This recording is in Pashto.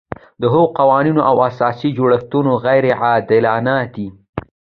د هغه قوانین او اساسي جوړښتونه غیر عادلانه دي.